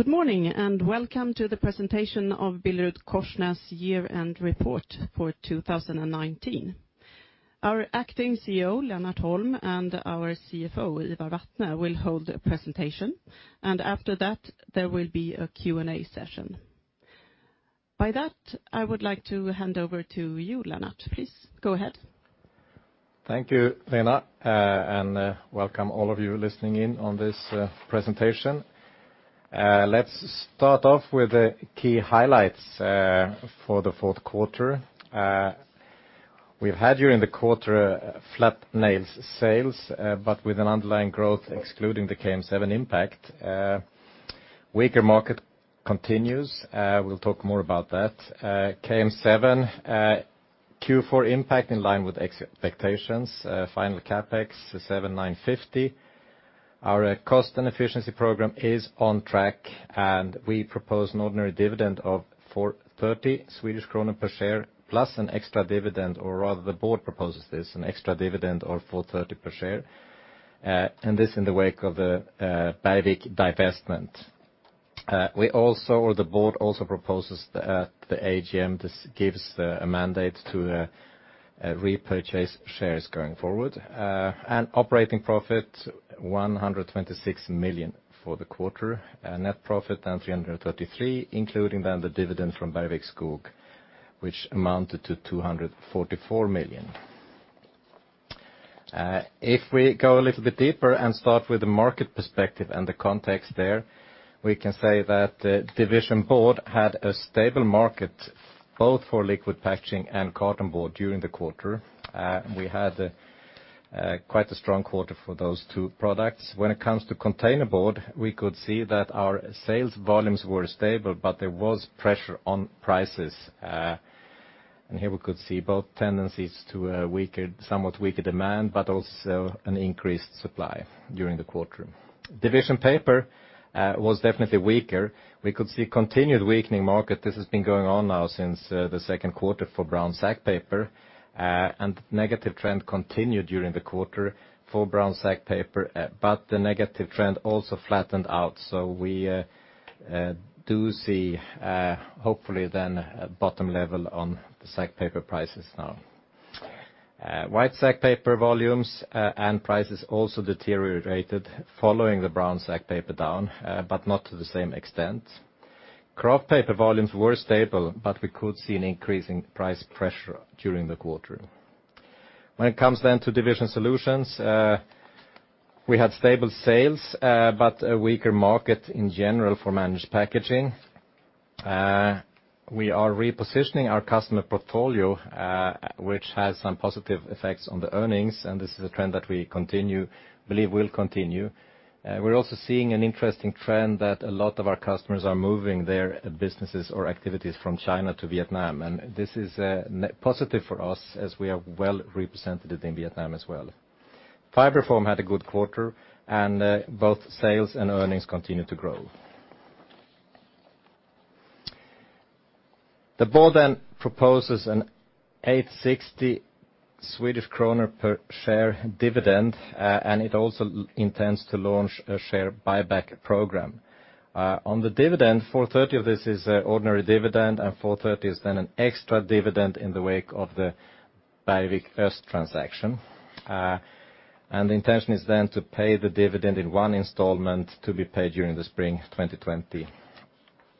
Good morning. Welcome to the presentation of BillerudKorsnäs year-end report for 2019. Our acting CEO, Lennart Holm, and our CFO, Ivar Vatne, will hold a presentation. After that, there will be a Q&A session. By that, I would like to hand over to you, Lennart. Please, go ahead. Thank you, Lena, and welcome all of you listening in on this presentation. Let's start off with the key highlights for the fourth quarter. We've had, during the quarter, flat net sales, but with an underlying growth excluding the KM7 impact. Weaker market continues. We'll talk more about that. KM7 Q4 impact in line with expectations. Final CapEx 7,950 million. Our cost and efficiency program is on track, and we propose an ordinary dividend of 4.30 Swedish kronor per share, plus an extra dividend, or rather the board proposes this, an extra dividend of 4.30 per share, and this in the wake of the Bergvik divestment. The board also proposes at the AGM, this gives a mandate to repurchase shares going forward. Operating profit 126 million for the quarter. Net profit then 333, including then the dividend from Bergvik Skog AB, which amounted to 244 million. If we go a little bit deeper and start with the market perspective and the context there, we can say that the Division Board had a stable market both for Liquid Packaging and Cartonboard during the quarter. We had quite a strong quarter for those two products. When it comes to Containerboard, we could see that our sales volumes were stable, but there was pressure on prices. Here we could see both tendencies to a somewhat weaker demand, but also an increased supply during the quarter. Division Paper was definitely weaker. We could see a continued weakening market. This has been going on now since the second quarter for Brown Sack Paper, and the negative trend continued during the quarter for Brown Sack Paper, but the negative trend also flattened out. We do see, hopefully then, a bottom level on the Sack Paper prices now. White Sack Paper volumes and prices also deteriorated following the Brown Sack Paper down, but not to the same extent. Kraft Paper volumes were stable, but we could see an increase in price pressure during the quarter. When it comes to Division Solutions, we had stable sales, but a weaker market in general for Managed Packaging. We are repositioning our customer portfolio, which has some positive effects on the earnings, and this is a trend that we believe will continue. We're also seeing an interesting trend that a lot of our customers are moving their businesses or activities from China to Vietnam. This is positive for us as we are well-represented in Vietnam as well. FibreForm had a good quarter, and both sales and earnings continue to grow. The board then proposes an 8.60 Swedish kronor per share dividend. It also intends to launch a share buyback program. On the dividend, 4.30 of this is ordinary dividend. 4.30 is then an extra dividend in the wake of the Bergvik first transaction. The intention is then to pay the dividend in one installment to be paid during the spring 2020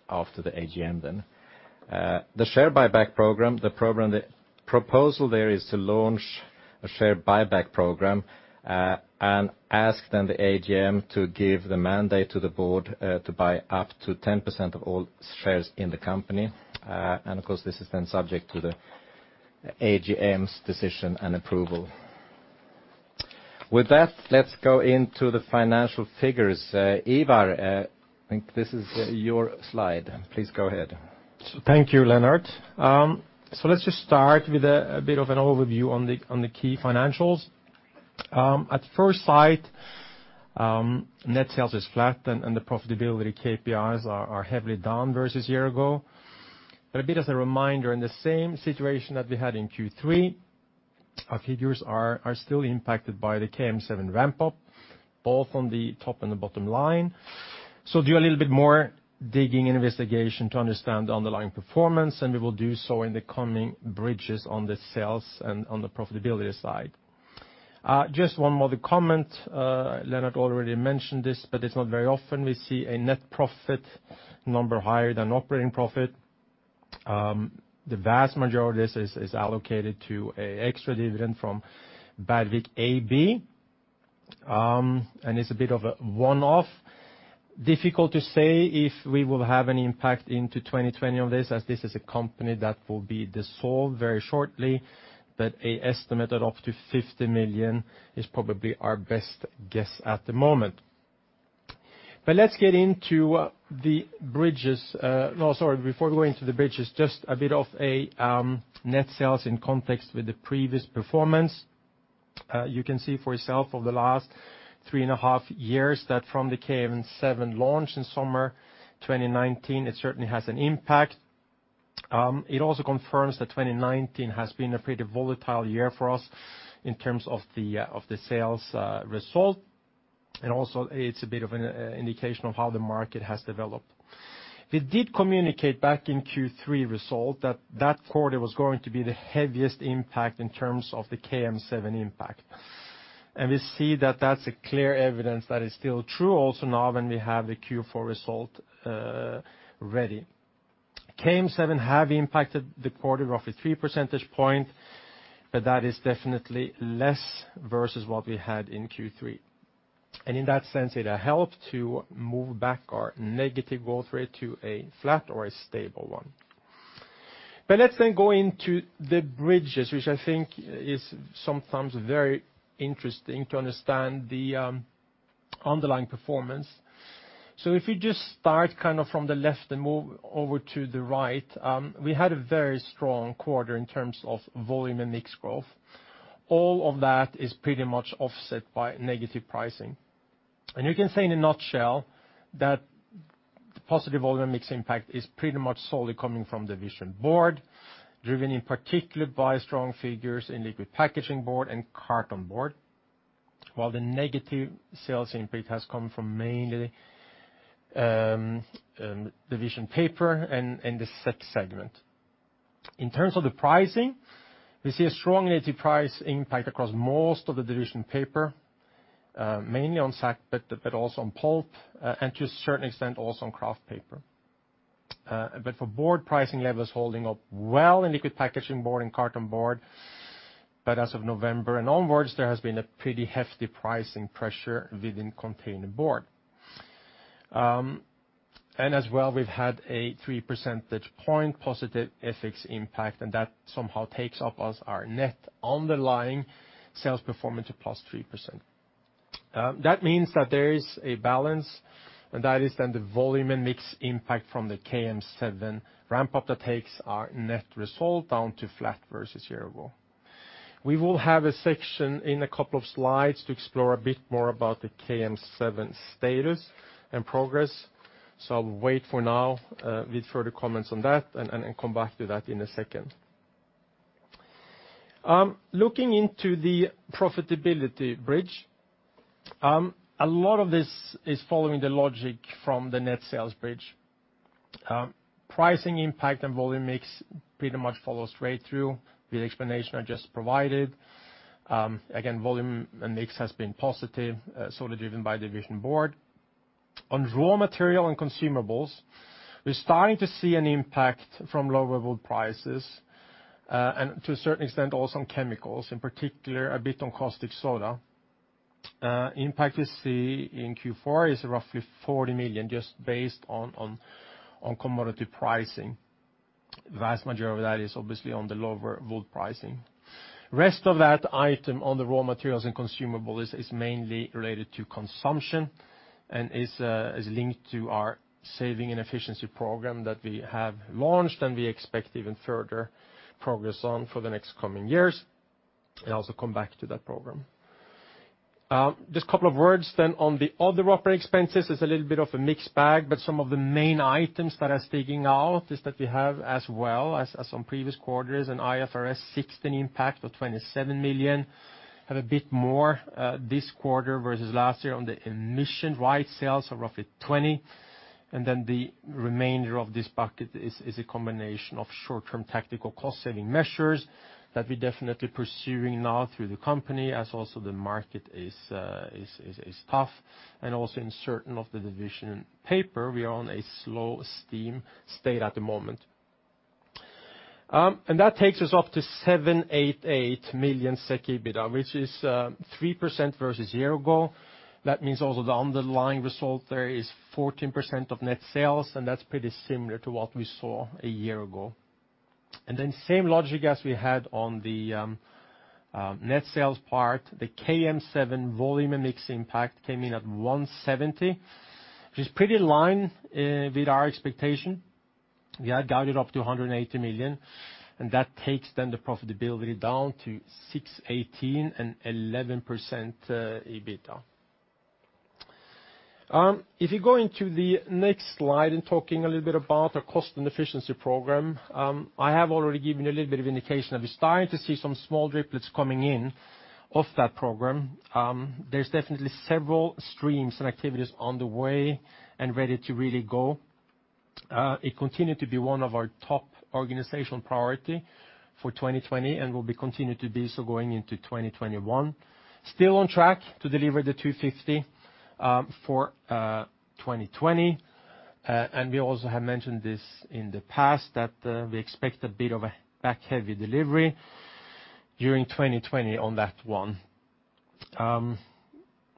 after the AGM then. The share buyback program, the proposal there is to launch a share buyback program and ask then the AGM to give the mandate to the board to buy up to 10% of all shares in the company. Of course, this is then subject to the AGM's decision and approval. With that, let's go into the financial figures. Ivar, I think this is your slide. Please go ahead. Thank you, Lennart. Let's just start with a bit of an overview on the key financials. At first sight, net sales is flat and the profitability KPIs are heavily down versus year ago. A bit as a reminder, in the same situation that we had in Q3, our figures are still impacted by the KM7 ramp-up, both on the top and the bottom line. Do a little bit more digging investigation to understand the underlying performance, and we will do so in the coming bridges on the sales and on the profitability side. One more comment. Lennart already mentioned this, it's not very often we see a net profit number higher than operating profit. The vast majority of this is allocated to an extra dividend from Bergvik AB, and it's a bit of a one-off. Difficult to say if we will have any impact into 2020 on this, as this is a company that will be dissolved very shortly, but an estimate of up to 50 million is probably our best guess at the moment. Let's get into the bridges. No, sorry, before we go into the bridges, just a bit of a net sales in context with the previous performance. You can see for yourself over the last three and a half years that from the KM7 launch in summer 2019, it certainly has an impact. It also confirms that 2019 has been a pretty volatile year for us in terms of the sales result, and also it's a bit of an indication of how the market has developed. We did communicate back in Q3 result that that quarter was going to be the heaviest impact in terms of the KM7 impact. We see that that's clear evidence that is still true also now when we have the Q4 result ready. KM7 have impacted the quarter roughly three percentage point, but that is definitely less versus what we had in Q3. In that sense, it helped to move back our negative growth rate to a flat or a stable one. Let's then go into the bridges, which I think is sometimes very interesting to understand the underlying performance. If we just start from the left and move over to the right, we had a very strong quarter in terms of volume and mix growth. All of that is pretty much offset by negative pricing. You can say in a nutshell, that the positive volume mix impact is pretty much solely coming from the Division Board, driven in particular by strong figures in liquid packaging board and cartonboard, while the negative sales impact has come from mainly the Division Paper and the sack segment. In terms of the pricing, we see a strong negative price impact across most of the Division Paper, mainly on sack, but also on pulp, and to a certain extent, also on kraft paper. For board pricing levels holding up well in liquid packaging board and cartonboard, but as of November and onwards, there has been a pretty hefty pricing pressure within containerboard. As well, we've had a 3 percentage point positive FX impact, and that somehow takes up as our net underlying sales performance to +3%. That means that there is a balance, and that is then the volume and mix impact from the KM7 ramp-up that takes our net result down to flat versus year ago. We will have a section in a couple of slides to explore a bit more about the KM7 status and progress. I'll wait for now with further comments on that and come back to that in a second. Looking into the profitability bridge, a lot of this is following the logic from the net sales bridge. Pricing impact and volume mix pretty much follow straight through with the explanation I just provided. Again, volume and mix has been positive, solely driven by Division Board. On raw material and consumables, we're starting to see an impact from lower wood prices, and to a certain extent, also on chemicals, in particular, a bit on caustic soda. Impact we see in Q4 is roughly 40 million just based on commodity pricing. Vast majority of that is obviously on the lower wood pricing. Rest of that item on the raw materials and consumables is mainly related to consumption and is linked to our saving and efficiency program that we have launched, and we expect even further progress on for the next coming years. I'll also come back to that program. Just a couple of words on the other operating expenses. It's a little bit of a mixed bag, some of the main items that are sticking out is that we have as well as on previous quarters an IFRS 16 impact of 27 million. Have a bit more this quarter versus last year on the emission rights sales of roughly 20 million. The remainder of this bucket is a combination of short-term tactical cost saving measures that we're definitely pursuing now through the company, as also the market is tough. In certain of the Division Paper, we are on a slow steam state at the moment. That takes us up to 788 million SEK EBITDA, which is 3% versus year ago. That means also the underlying result there is 14% of net sales, and that's pretty similar to what we saw a year ago. Same logic as we had on the net sales part, the KM7 volume and mix impact came in at 170 million, which is pretty line with our expectation. We had guided up to 180 million, and that takes then the profitability down to 618 million and 11% EBITDA. If you go into the next slide and talking a little bit about our cost and efficiency program, I have already given a little bit of indication that we are starting to see some small droplets coming in of that program. There is definitely several streams and activities on the way and ready to really go. It continued to be one of our top organizational priority for 2020 and will be continued to be so going into 2021. Still on track to deliver the 250 million for 2020. We also have mentioned this in the past that we expect a bit of a back-heavy delivery during 2020 on that one.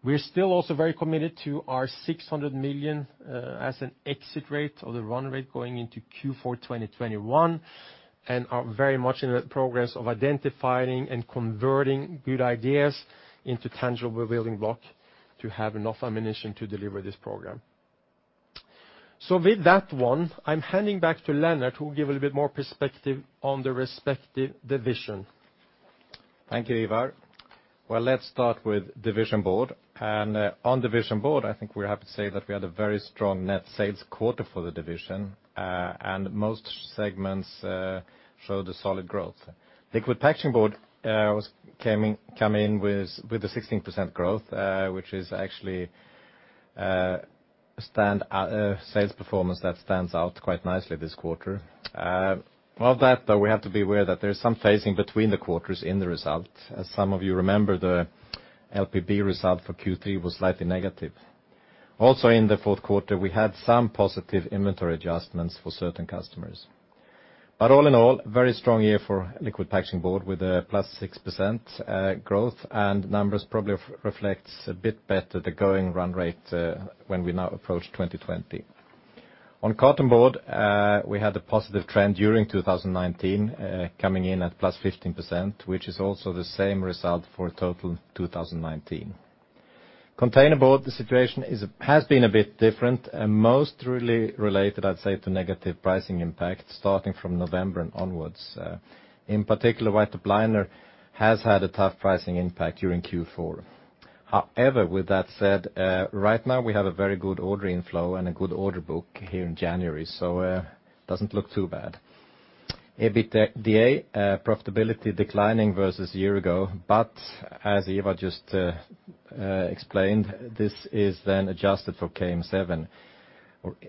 We're still also very committed to our 600 million as an exit rate or the run rate going into Q4 2021 and are very much in the progress of identifying and converting good ideas into tangible building block to have enough ammunition to deliver this program. With that one, I'm handing back to Lennart who give a little bit more perspective on the respective division. Thank you, Ivar. Well, let's start with Division Board. On Division Board, I think we're happy to say that we had a very strong net sales quarter for the Division, and most segments showed a solid growth. liquid packaging board came in with a 16% growth, which is actually a sales performance that stands out quite nicely this quarter. Of that, though, we have to be aware that there is some phasing between the quarters in the result. As some of you remember, the LPB result for Q3 was slightly negative. Also in the fourth quarter, we had some positive inventory adjustments for certain customers. All in all, very strong year for liquid packaging board with a +6% growth, and numbers probably reflects a bit better the going run rate when we now approach 2020. On Cartonboard, we had a positive trend during 2019, coming in at +15%, which is also the same result for total 2019. Containerboard, the situation has been a bit different, and most really related, I'd say, to negative pricing impact starting from November and onwards. In particular, white top liner has had a tough pricing impact during Q4. With that said, right now we have a very good order inflow and a good order book here in January, so it doesn't look too bad. EBITDA profitability declining versus year ago, but as Ivar just explained, this is then adjusted for KM7.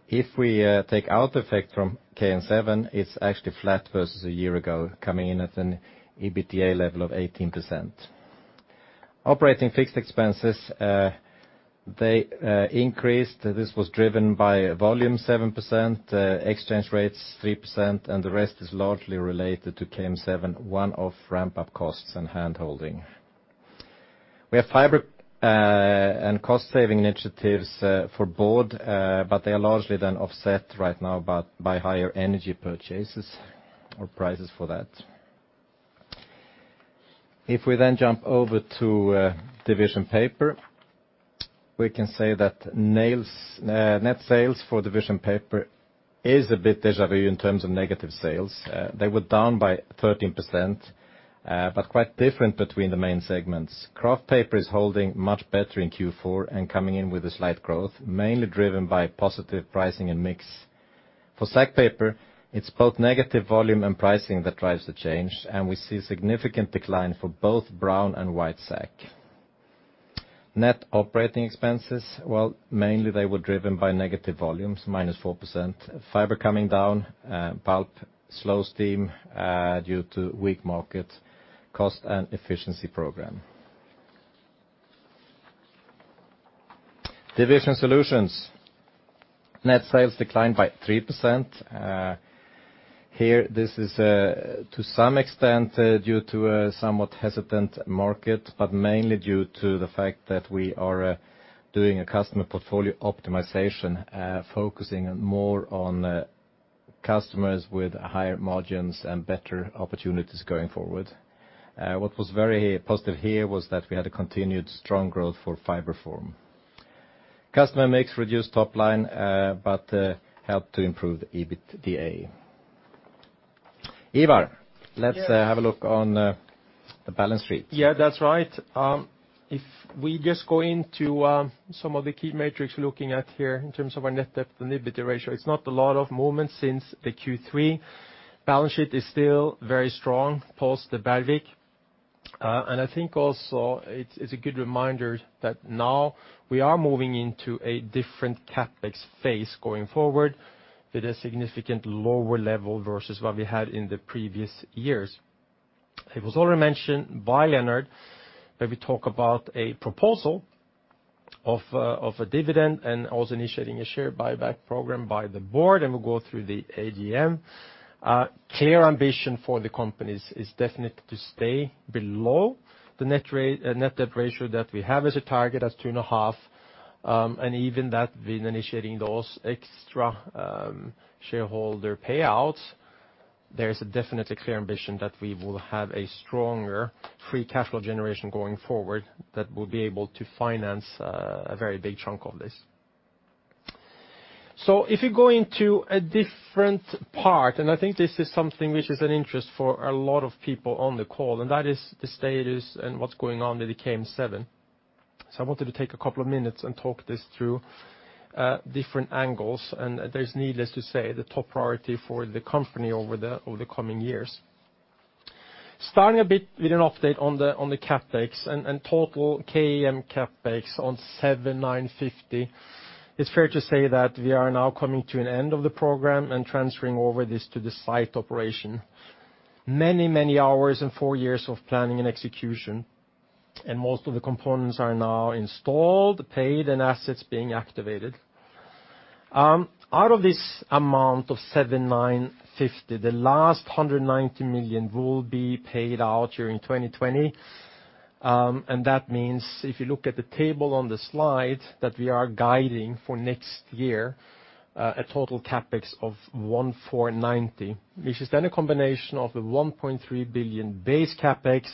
If we take out effect from KM7, it's actually flat versus a year ago, coming in at an EBITDA level of 18%. Operating fixed expenses, they increased. This was driven by volume 7%, exchange rates 3%, and the rest is largely related to KM7, one of ramp-up costs and handholding. We have fiber and cost-saving initiatives for board, but they are largely then offset right now by higher energy purchases or prices for that. If we then jump over to Division Paper, we can say that net sales for Division Paper is a bit deja vu in terms of negative sales. They were down by 13%, but quite different between the main segments. Kraft paper is holding much better in Q4 and coming in with a slight growth, mainly driven by positive pricing and mix. For sack paper, it's both negative volume and pricing that drives the change, and we see significant decline for both brown and white sack. Net operating expenses, well, mainly they were driven by negative volumes, -4%. Fiber coming down, pulp slow steam due to weak market, cost and efficiency program. Division Solutions. Net sales declined by 3%. Here, this is to some extent due to a somewhat hesitant market, but mainly due to the fact that we are doing a customer portfolio optimization, focusing more on customers with higher margins and better opportunities going forward. What was very positive here was that we had a continued strong growth for FibreForm. Customer mix reduced top line, but helped to improve the EBITDA. Ivar, let's have a look on the balance sheet. Yeah, that's right. If we just go into some of the key metrics looking at here in terms of our net debt and EBITDA ratio, it's not a lot of movement since the Q3. Balance sheet is still very strong post the Bergvik. I think also it's a good reminder that now we are moving into a different CapEx phase going forward with a significant lower level versus what we had in the previous years. It was already mentioned by Lennart, where we talk about a proposal of a dividend and also initiating a share buyback program by the board, and we'll go through the AGM. Clear ambition for the companies is definitely to stay below the net debt ratio that we have as a target at <2.5. Even that with initiating those extra shareholder payouts, there is a definitely clear ambition that we will have a stronger free cash flow generation going forward that will be able to finance a very big chunk of this. If you go into a different part, and I think this is something which is an interest for a lot of people on the call, and that is the status and what's going on with the KM7. I wanted to take a couple of minutes and talk this through different angles, and there's needless to say, the top priority for the company over the coming years. Starting a bit with an update on the CapEx and total KM CapEx on 7,950 million. It's fair to say that we are now coming to an end of the program and transferring over this to the site operation. Many hours and four years of planning and execution, most of the components are now installed, paid, and assets being activated. Out of this amount of 7,950 million, the last 190 million will be paid out during 2020. That means if you look at the table on the slide that we are guiding for next year a total CapEx of 1,490 million, which is a combination of the 1.3 billion base CapEx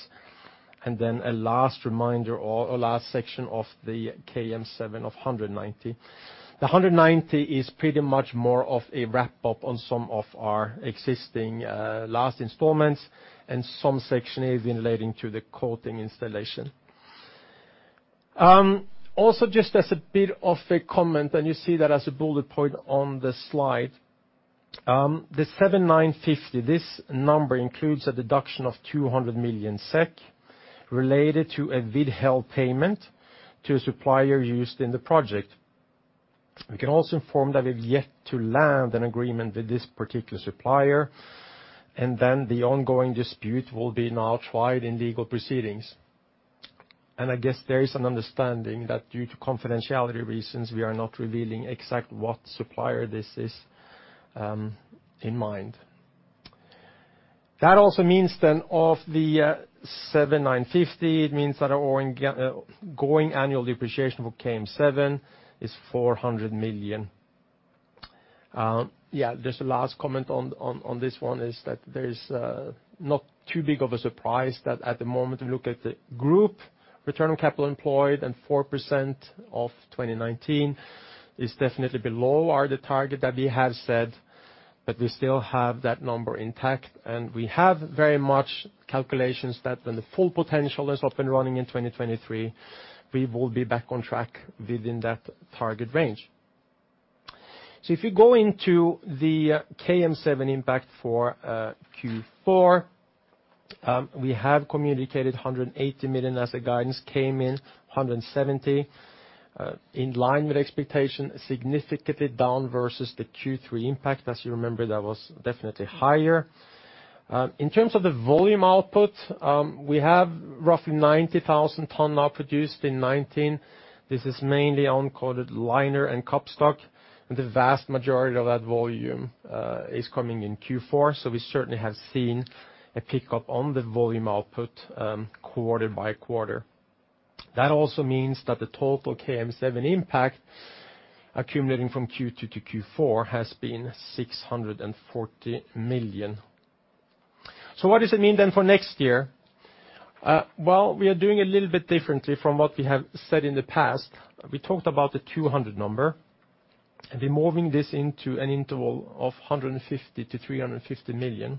and a last reminder or last section of the KM7 of 190. The 190 million is pretty much more of a wrap-up on some of our existing last installments, and some section is relating to the coating installation. Also, just as a bit of a comment, and you see that as a bullet point on the slide. The 7,950 million, this number includes a deduction of 200 million SEK related to a withheld payment to a supplier used in the project. We can also inform that we've yet to land an agreement with this particular supplier, and then the ongoing dispute will be now tried in legal proceedings. I guess there is an understanding that due to confidentiality reasons, we are not revealing exactly what supplier this is in mind. That also means then of the 7,950 million, it means that our ongoing annual depreciation for KM7 is 400 million. Yeah. Just a last comment on this one is that there's not too big of a surprise that at the moment we look at the group return on capital employed and 4% of 2019 is definitely below our target that we have said, but we still have that number intact, and we have very much calculations that when the full potential is up and running in 2023, we will be back on track within that target range. If you go into the KM7 impact for Q4, we have communicated 180 million as a guidance, came in 170 million, in line with expectation, significantly down versus the Q3 impact. As you remember, that was definitely higher. In terms of the volume output, we have roughly 90,000 tons now produced in 2019. This is mainly uncoated liner and cup stock, and the vast majority of that volume is coming in Q4. We certainly have seen a pickup on the volume output quarter by quarter. That also means that the total KM7 impact accumulating from Q2 to Q4 has been 640 million. What does it mean then for next year? We are doing a little bit differently from what we have said in the past. We talked about the 200, and we're moving this into an interval of 150 million-350 million.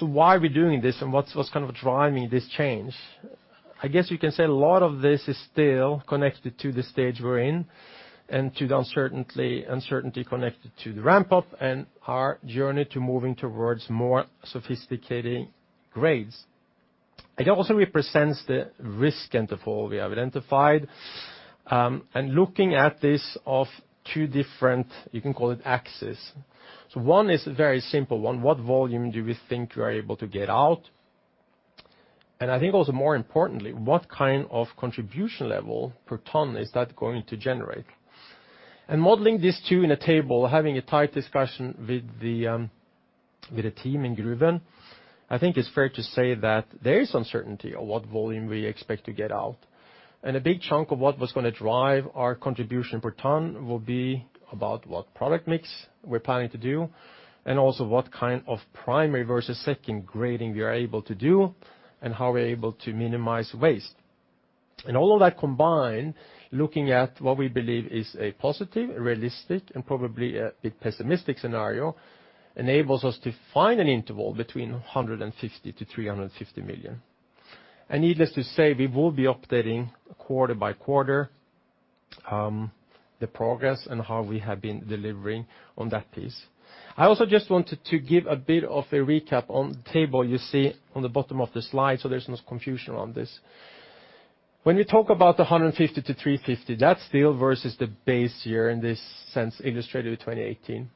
Why are we doing this and what's kind of driving this change? I guess you can say a lot of this is still connected to the stage we're in and to the uncertainty connected to the ramp-up and our journey to moving towards more sophisticated grades. It also represents the risk interval we have identified, looking at this of two different, you can call it, axes. One is a very simple one. What volume do we think we are able to get out? I think also more importantly, what kind of contribution level per ton is that going to generate? Modeling these two in a table, having a tight discussion with the team in Gruvön, I think it's fair to say that there is uncertainty on what volume we expect to get out. A big chunk of what was going to drive our contribution per ton will be about what product mix we're planning to do, and also what kind of primary versus second grading we are able to do and how we're able to minimize waste. All of that combined, looking at what we believe is a positive, realistic, and probably a bit pessimistic scenario, enables us to find an interval between 150 million-350 million. Needless to say, we will be updating quarter by quarter, the progress and how we have been delivering on that piece. I also just wanted to give a bit of a recap on the table you see on the bottom of the slide, so there's no confusion on this. When we talk about the 150 million-350 million, that's still versus the base year in this sense, illustrated with 2018.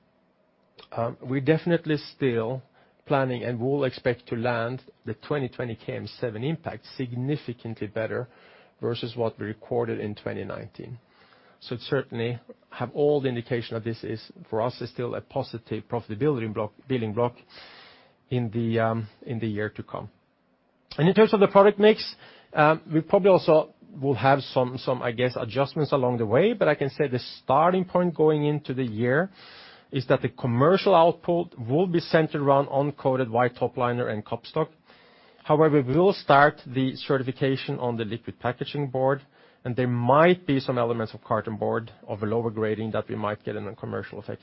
We're definitely still planning and will expect to land the 2020 KM7 impact significantly better versus what we recorded in 2019. It certainly have all the indication of this is for us still a positive profitability building block in the year to come. In terms of the product mix, we probably also will have some, I guess, adjustments along the way, but I can say the starting point going into the year is that the commercial output will be centered around uncoated white top liner and cup stock. However, we will start the certification on the liquid packaging board, and there might be some elements of cartonboard of a lower grading that we might get in a commercial effect.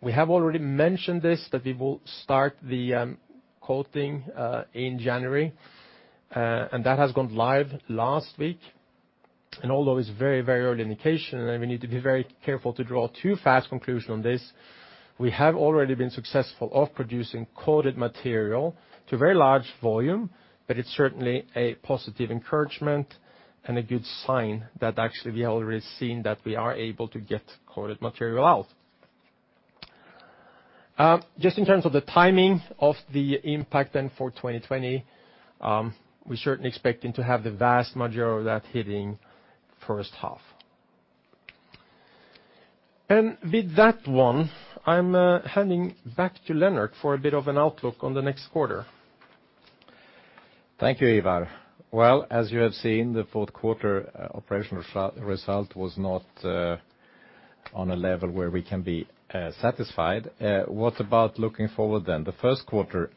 We have already mentioned this, that we will start the coating in January, and that has gone live last week. Although it's very early indication, and we need to be very careful to draw too fast conclusion on this, we have already been successful of producing coated material to a very large volume, but it's certainly a positive encouragement and a good sign that actually we have already seen that we are able to get coated material out. In terms of the timing of the impact then for 2020, we're certainly expecting to have the vast majority of that hitting first half. With that one, I'm handing back to Lennart for a bit of an outlook on the next quarter. Thank you, Ivar. Well, as you have seen, the fourth quarter operational result was not on a level where we can be satisfied. What about looking forward? The first quarter,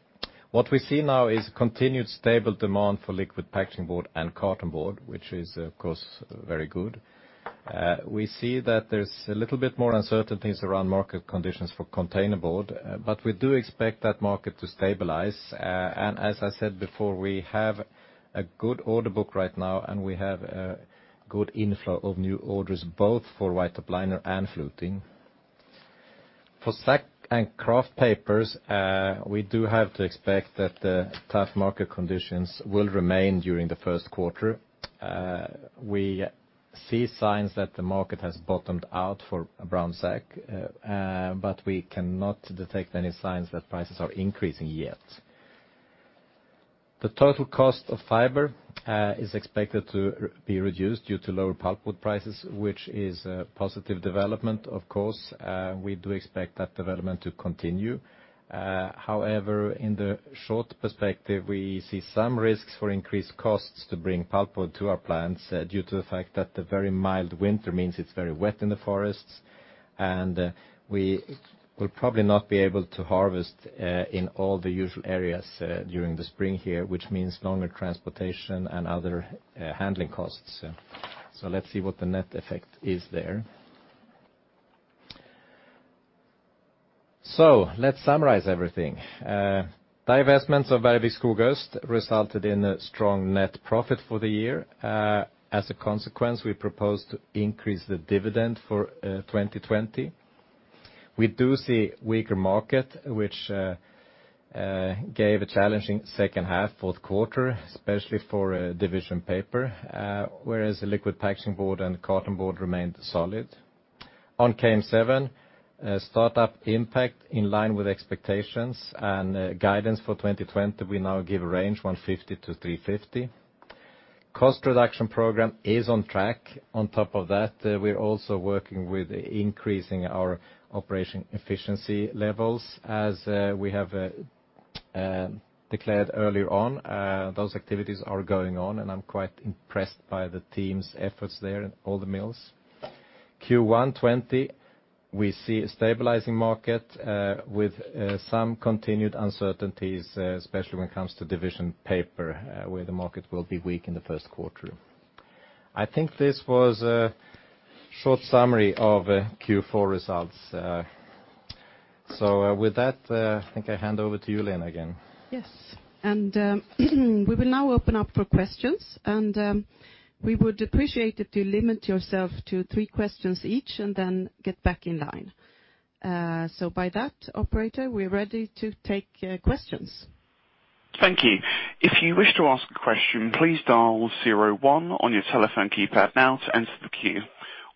what we see now is continued stable demand for liquid packaging board and cartonboard, which is, of course, very good. We see that there's a little bit more uncertainties around market conditions for containerboard, but we do expect that market to stabilize. As I said before, we have a good order book right now, and we have a good inflow of new orders, both for white top liner and fluting. For sack and kraft papers, we do have to expect that the tough market conditions will remain during the first quarter. We see signs that the market has bottomed out for brown sack, but we cannot detect any signs that prices are increasing yet. The total cost of fiber is expected to be reduced due to lower pulpwood prices, which is a positive development, of course. We do expect that development to continue. However, in the short perspective, we see some risks for increased costs to bring pulpwood to our plants due to the fact that the very mild winter means it's very wet in the forests, and we will probably not be able to harvest in all the usual areas during the spring here, which means longer transportation and other handling costs. Let's see what the net effect is there. Let's summarize everything. Divestments of Bergvik Skog AB resulted in a strong net profit for the year. As a consequence, we propose to increase the dividend for 2020. We do see weaker market, which gave a challenging second half, fourth quarter, especially for Division Paper, whereas the liquid packaging board and cartonboard remained solid. On KM7, startup impact in line with expectations and guidance for 2020, we now give a range 150 million-350 million. Cost reduction program is on track. On top of that, we're also working with increasing our operation efficiency levels. As we have declared earlier on, those activities are going on, and I'm quite impressed by the team's efforts there in all the mills. Q1 2020, we see a stabilizing market with some continued uncertainties, especially when it comes to Division Paper, where the market will be weak in the first quarter. I think this was a short summary of Q4 results. With that, I think I hand over to you, Lena, again. Yes. We will now open up for questions, and we would appreciate it to limit yourself to three questions each and then get back in line. By that, operator, we're ready to take questions. Thank you. If you wish to ask a question, please dial zero one on your telephone keypad now to enter the queue.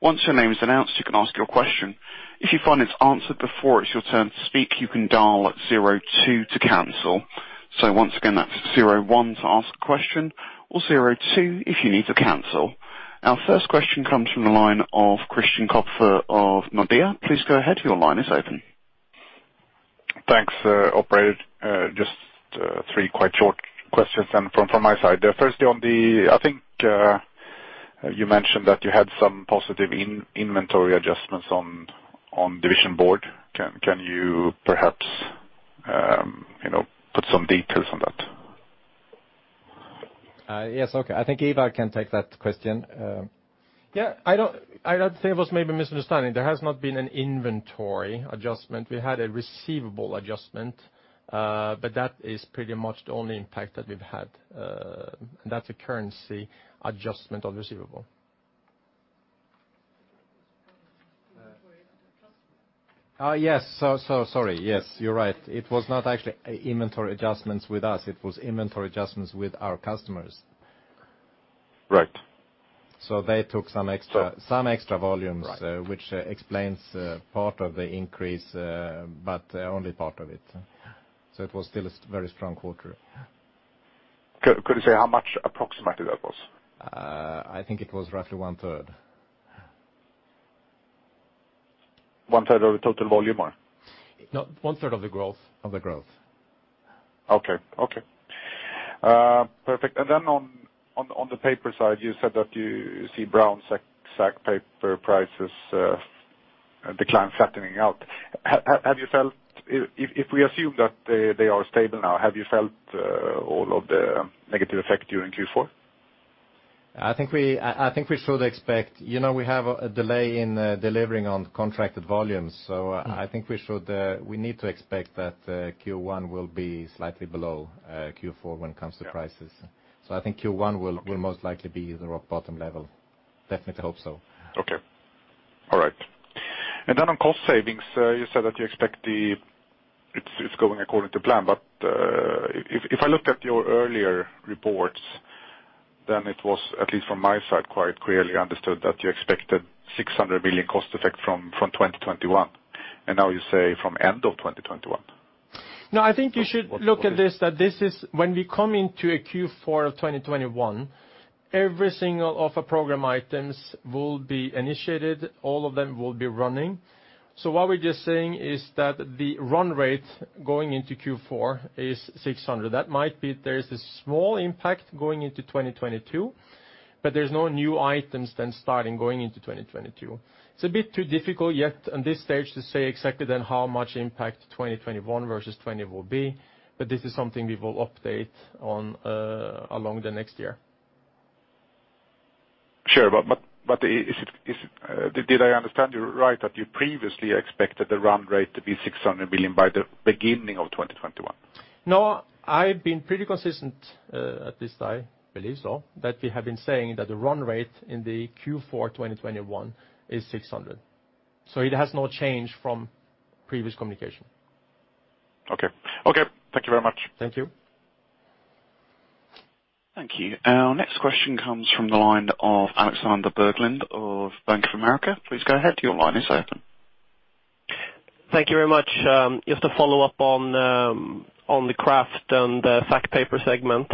Once your name is announced, you can ask your question. If you find it's answered before it's your turn to speak, you can dial zero two to cancel. Once again, that's zero one to ask a question or zero two if you need to cancel. Our first question comes from the line of Christian Kopfer of Nordea. Please go ahead, your line is open. Thanks, operator. Just three quite short questions from my side. Firstly, I think you mentioned that you had some positive inventory adjustments on Division Board. Can you perhaps put some details on that? Yes, okay. I think Ivar can take that question. Yeah, I'd say it was maybe a misunderstanding. There has not been an inventory adjustment. We had a receivable adjustment, that is pretty much the only impact that we've had, and that's a currency adjustment of receivable. Yes. Sorry. Yes, you're right. It was not actually inventory adjustments with us. It was inventory adjustments with our customers. Right. They took some extra volumes. Right which explains part of the increase, but only part of it. It was still a very strong quarter. Could you say how much approximately that was? I think it was roughly 1/3. 1/3 of the total volume, or? No, 1/3 of the growth. Okay. Perfect. On the paper side, you said that you see brown sack paper prices decline flattening out. If we assume that they are stable now, have you felt all of the negative effect during Q4? We have a delay in delivering on contracted volumes. I think we need to expect that Q1 will be slightly below Q4 when it comes to prices. Yeah. I think Q1 will most likely be the rock bottom level. Definitely hope so. Okay. All right. On cost savings, you said that you expect it's going according to plan. If I looked at your earlier reports, then it was, at least from my side, quite clearly understood that you expected 600 million cost effect from 2021, and now you say from end of 2021. I think you should look at this, that this is when we come into a Q4 of 2021, every single of our program items will be initiated, all of them will be running. What we're just saying is that the run rate going into Q4 is 600 million. That might be there is a small impact going into 2022, but there's no new items then starting going into 2022. It's a bit too difficult yet on this stage to say exactly then how much impact 2021 versus 2020 will be, but this is something we will update on along the next year. Sure. Did I understand you right that you previously expected the run rate to be 600 million by the beginning of 2021? No, I've been pretty consistent at this, I believe so. We have been saying that the run rate in the Q4 2021 is 600 million. It has not changed from previous communication. Okay. Thank you very much. Thank you. Thank you. Our next question comes from the line of Alexander Berglund of Bank of America. Please go ahead. Your line is open. Thank you very much. Just to follow up on the kraft and the sack paper segment.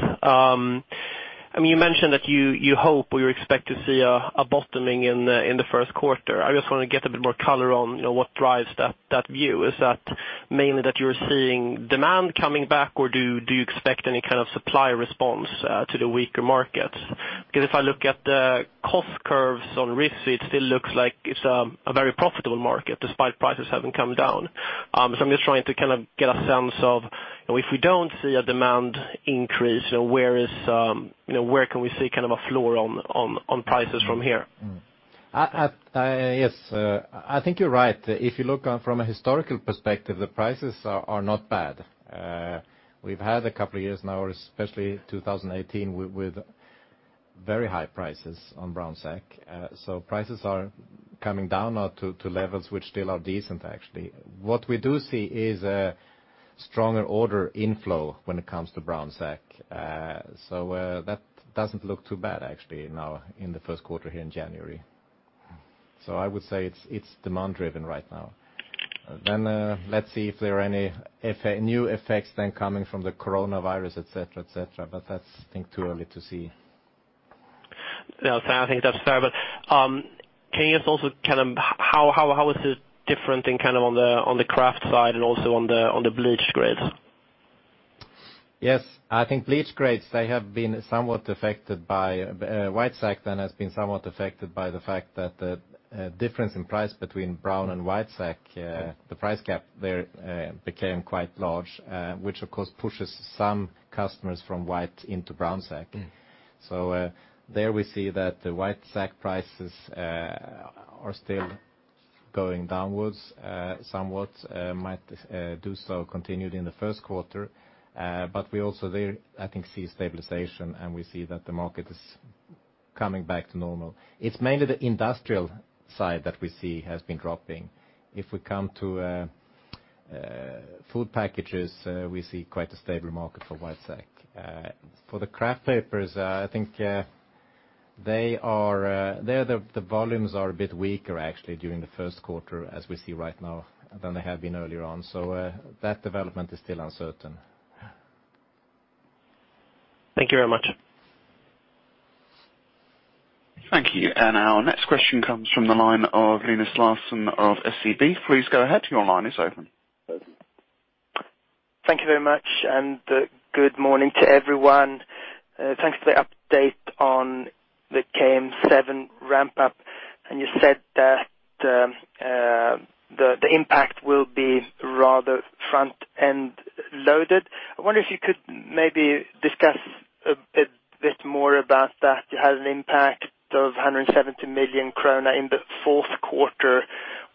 You mentioned that you hope, or you expect to see a bottoming in the first quarter. I just want to get a bit more color on what drives that view. Is that mainly that you're seeing demand coming back, or do you expect any kind of supply response to the weaker market? If I look at the cost curves on risk, it still looks like it's a very profitable market, despite prices having come down. I'm just trying to get a sense of, if we don't see a demand increase, where can we see a floor on prices from here? Yes. I think you're right. If you look from a historical perspective, the prices are not bad. We've had a couple of years now, especially 2018, with very high prices on brown sack. Prices are coming down now to levels which still are decent, actually. What we do see is a stronger order inflow when it comes to brown sack. That doesn't look too bad actually now in the first quarter here in January. I would say it's demand driven right now. Let's see if there are any new effects then coming from the coronavirus, et cetera. That's, I think, too early to see. Yeah. I think that's fair. How is it different on the kraft side and also on the bleach grades? Yes, I think bleach grades, white sack then has been somewhat affected by the fact that the difference in price between brown and white sack, the price gap there became quite large. Which of course pushes some customers from white into brown sack. There we see that the white sack prices are still going downwards, somewhat might do so continued in the first quarter. We also there I think see stabilization, and we see that the market is coming back to normal. It's mainly the industrial side that we see has been dropping. If we come to food packages, we see quite a stable market for white sack. For the kraft papers, I think there the volumes are a bit weaker actually during the first quarter as we see right now, than they have been earlier on. That development is still uncertain. Thank you very much. Thank you. Our next question comes from the line of Linus Larsson of SEB. Please go ahead. Your line is open. Thank you very much, good morning to everyone. Thanks for the update on the KM7 ramp-up. You said that the impact will be rather front-end loaded. I wonder if you could maybe discuss a bit more about that. It has an impact of 170 million krona in the fourth quarter.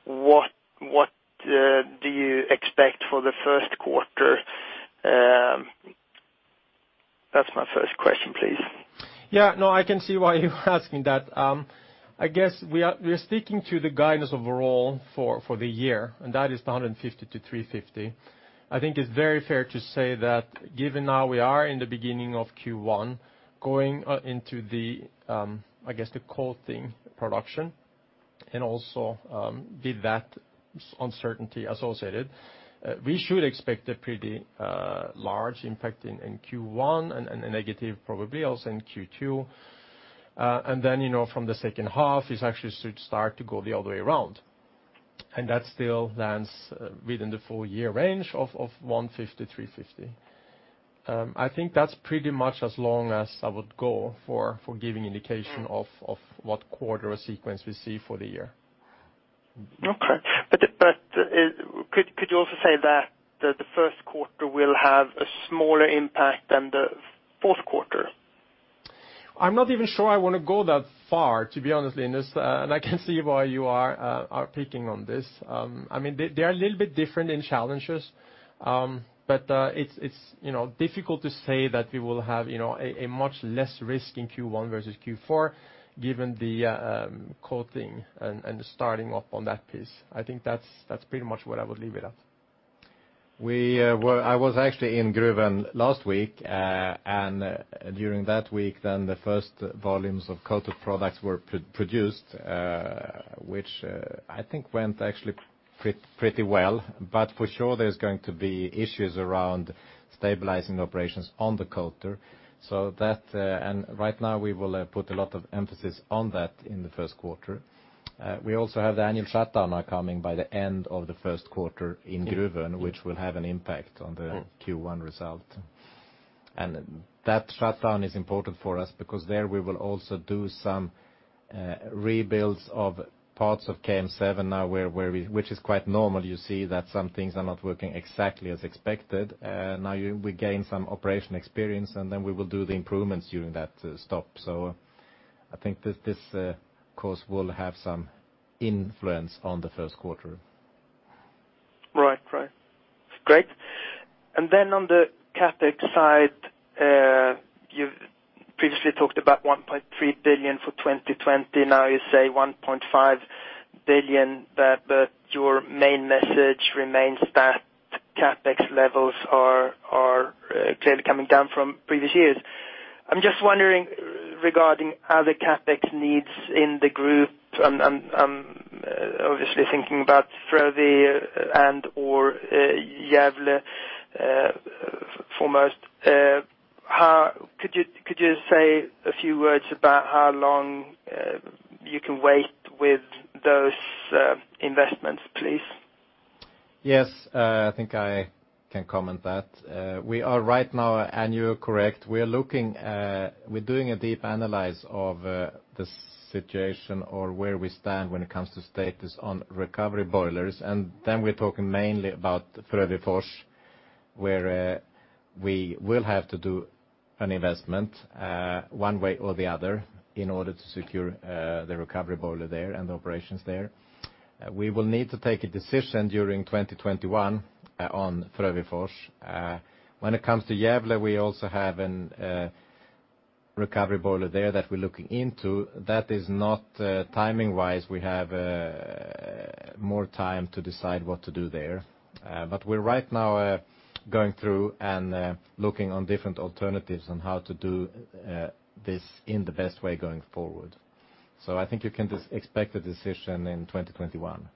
What do you expect for the first quarter? That's my first question, please. Yeah, no, I can see why you're asking that. I guess we are sticking to the guidance overall for the year, that is the 150 million-350 million. I think it's very fair to say that given now we are in the beginning of Q1, going into the, I guess, the coating production, with that uncertainty associated, we should expect a pretty large impact in Q1 and a negative probably also in Q2. From the second half it actually should start to go the other way around. That still lands within the full year range of 150 million-350 million. I think that's pretty much as long as I would go for giving indication of what quarter or sequence we see for the year. Okay. Could you also say that the first quarter will have a smaller impact than the fourth quarter? I'm not even sure I want to go that far, to be honest, Linus, and I can see why you are picking on this. They are a little bit different in challenges. It's difficult to say that we will have a much less risk in Q1 versus Q4 given the coating and the starting up on that piece. I think that's pretty much what I would leave it at. I was actually in Gruvön last week. During that week, the first volumes of coated products were produced, which I think went actually pretty well. For sure there's going to be issues around stabilizing operations on the coater. Right now we will put a lot of emphasis on that in the first quarter. We also have the annual shutdown now coming by the end of the first quarter in Gruvön, which will have an impact on the Q1 result. That shutdown is important for us because there we will also do some rebuilds of parts of KM7 now, which is quite normal. You see that some things are not working exactly as expected. We gain some operation experience. We will do the improvements during that stop. I think this, of course, will have some influence on the first quarter. Right. Great. On the CapEx side, you've previously talked about 1.3 billion for 2020. Now you say 1.5 billion, your main message remains that CapEx levels are clearly coming down from previous years. I'm just wondering regarding other CapEx needs in the group, I'm obviously thinking about Frövi and/or Gävle foremost. Could you say a few words about how long you can wait with those investments, please? Yes, I think I can comment that. We are right now, and you are correct. We're doing a deep analysis of the situation or where we stand when it comes to status on recovery boilers. We're talking mainly about Frövi Fors, where we will have to do an investment, one way or the other, in order to secure the recovery boiler there and the operations there. We will need to take a decision during 2021 on Frövi Fors. When it comes to Gävle, we also have a recovery boiler there that we're looking into. That is not timing-wise. We have more time to decide what to do there. We're right now going through and looking on different alternatives on how to do this in the best way going forward. I think you can just expect a decision in 2021.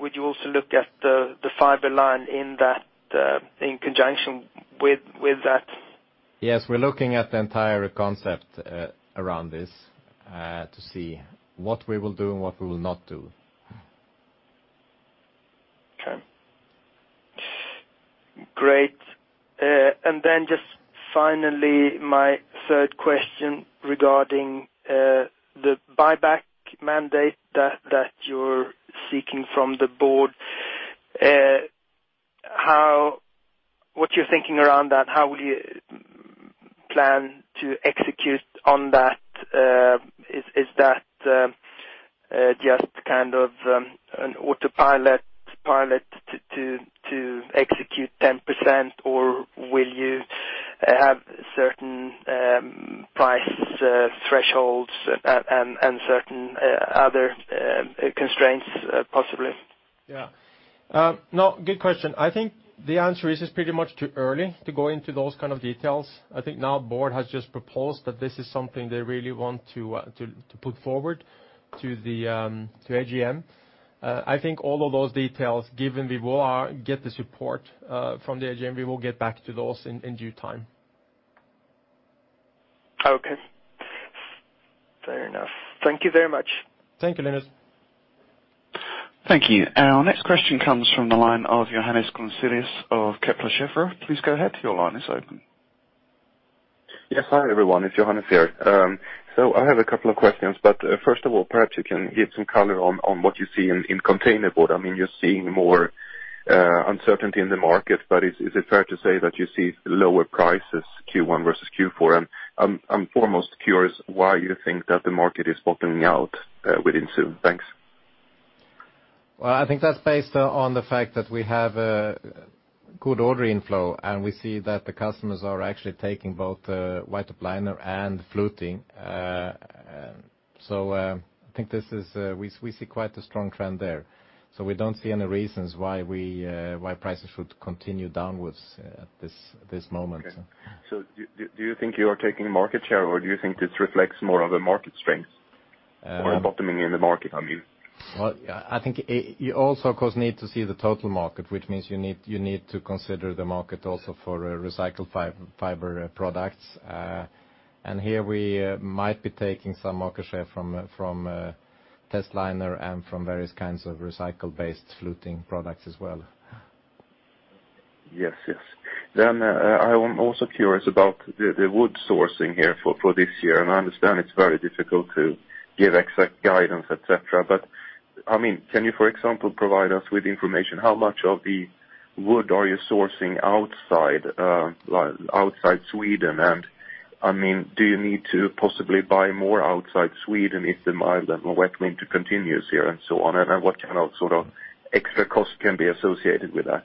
Would you also look at the fiber line in conjunction with that? Yes, we're looking at the entire concept around this, to see what we will do and what we will not do. Okay. Great. Then just finally, my third question regarding the buyback mandate that you're seeking from the board. What you're thinking around that, how will you plan to execute on that? Is that just kind of an autopilot to execute 10%, or will you have certain price thresholds and certain other constraints, possibly? Yeah. No, good question. I think the answer is, it's pretty much too early to go into those kind of details. I think now Board has just proposed that this is something they really want to put forward to AGM. I think all of those details, given we will get the support from the AGM, we will get back to those in due time. Okay. Fair enough. Thank you very much. Thank you, Linus. Thank you. Our next question comes from the line of Johannes Grunselius of Kepler Cheuvreux. Please go ahead, your line is open. Yes, hi, everyone. It's Johannes here. I have a couple of questions, but first of all, perhaps you can give some color on what you see in containerboard. You're seeing more uncertainty in the market, but is it fair to say that you see lower prices Q1 versus Q4? I'm foremost curious why you think that the market is bottoming out within soon. Thanks. Well, I think that's based on the fact that we have a good order inflow, and we see that the customers are actually taking both white top liner and fluting. I think we see quite a strong trend there. We don't see any reasons why prices should continue downwards at this moment. Okay. Do you think you are taking market share, or do you think this reflects more of a market strength? A bottoming in the market, I mean? Well, I think you also, of course, need to see the total market, which means you need to consider the market also for recycled fiber products. Here we might be taking some market share from testliner and from various kinds of recycled-based fluting products as well. Yes. I am also curious about the wood sourcing here for this year, and I understand it's very difficult to give exact guidance, et cetera. Can you, for example, provide us with information, how much of the wood are you sourcing outside Sweden? Do you need to possibly buy more outside Sweden if demand on wet winter continues here and so on? What kind of extra cost can be associated with that?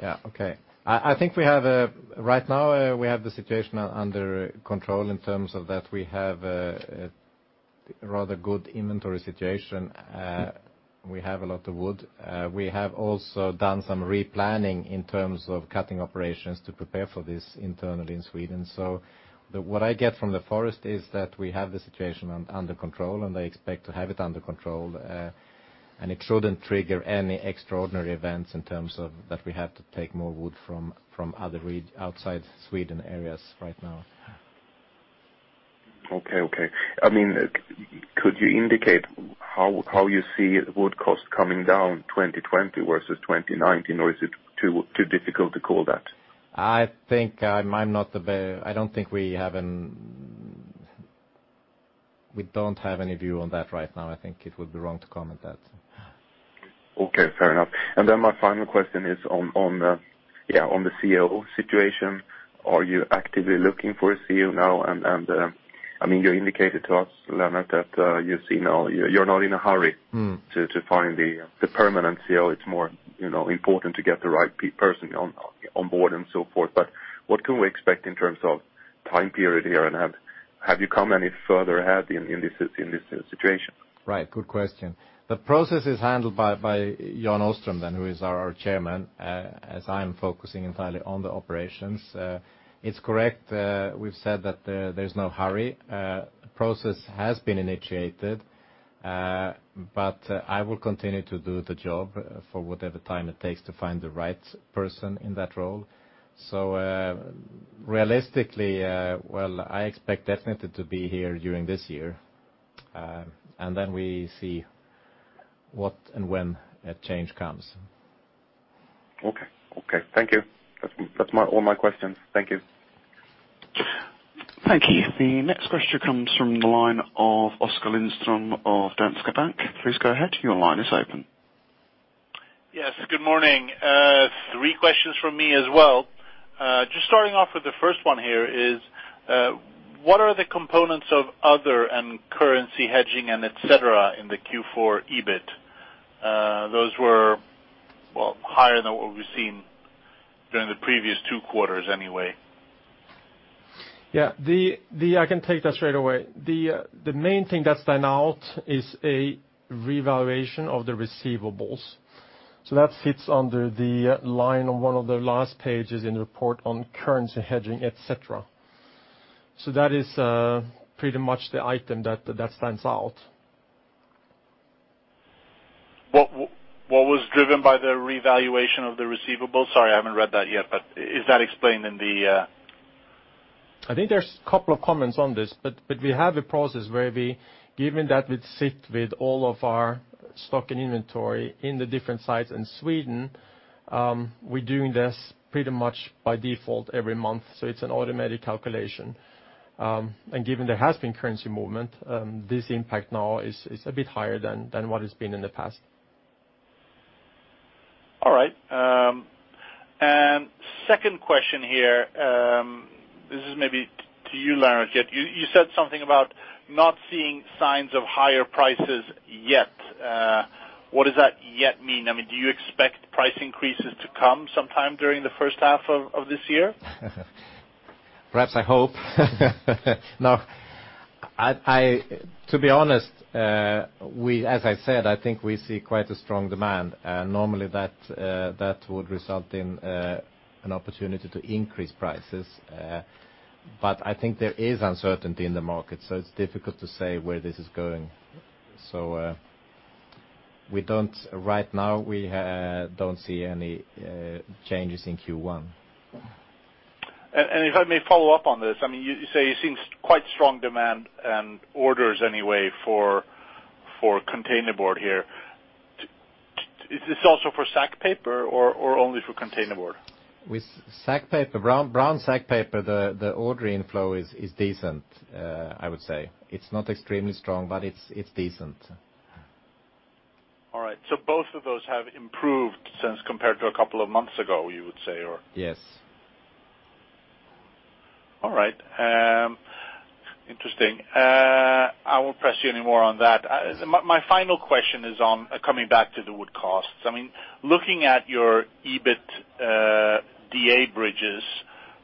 Yeah. Okay. I think right now we have the situation under control in terms of that we have a rather good inventory situation. We have a lot of wood. We have also done some replanning in terms of cutting operations to prepare for this internally in Sweden. What I get from the forest is that we have the situation under control, and I expect to have it under control. It shouldn't trigger any extraordinary events in terms of that we have to take more wood from outside Sweden areas right now. Okay. Could you indicate how you see wood cost coming down 2020 versus 2019? Is it too difficult to call that? I don't think we don't have any view on that right now. I think it would be wrong to comment that. Okay, fair enough. My final question is on the CEO situation. Are you actively looking for a CEO now? You indicated to us, Lennart, that you're not in a hurry to find the permanent CEO. It's more important to get the right person on board and so forth. What can we expect in terms of time period here? Have you come any further ahead in this situation? Right. Good question. The process is handled by Jan Åström, who is our chairman, as I'm focusing entirely on the operations. It's correct, we've said that there's no hurry. Process has been initiated, but I will continue to do the job for whatever time it takes to find the right person in that role. Realistically, I expect definitely to be here during this year, and then we see what and when a change comes. Okay. Thank you. That's all my questions. Thank you. Thank you. The next question comes from the line of Oskar Lindström of Danske Bank. Please go ahead, your line is open. Yes, good morning. Three questions from me as well. Just starting off with the first one here is, what are the components of other and currency hedging and et cetera in the Q4 EBIT? Those were higher than what we've seen during the previous two quarters anyway. Yeah. I can take that straight away. The main thing that stand out is a revaluation of the receivables. That sits under the line on one of the last pages in the report on currency hedging, et cetera. That is pretty much the item that stands out. What was driven by the revaluation of the receivables? Sorry, I haven't read that yet, but is that explained? I think there's a couple of comments on this, but we have a process where given that we'd sit with all of our stock and inventory in the different sites in Sweden, we're doing this pretty much by default every month. It's an automatic calculation. Given there has been currency movement, this impact now is a bit higher than what it's been in the past. All right. Second question here, this is maybe to you, Lennart. You said something about not seeing signs of higher prices yet. What does that yet mean? Do you expect price increases to come sometime during the first half of this year? Perhaps I hope. To be honest, as I said, I think we see quite a strong demand. Normally that would result in an opportunity to increase prices. I think there is uncertainty in the market, so it's difficult to say where this is going. Right now, we don't see any changes in Q1. If I may follow up on this, you say you're seeing quite strong demand and orders anyway for containerboard here. Is this also for sack paper or only for containerboard? With brown sack paper, the order inflow is decent, I would say. It is not extremely strong, but it is decent. All right. Both of those have improved compared to a couple of months ago, you would say or? Yes. All right. Interesting. I won't press you anymore on that. My final question is on coming back to the wood costs. Looking at your EBITDA bridges